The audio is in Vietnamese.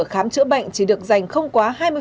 khám chữa bệnh chỉ được dành không quá